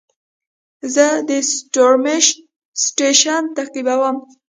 زه د ستورمېشت سټېشن تعقیبوم.